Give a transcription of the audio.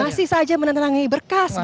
masih saja menentang tenang berkas gitu ya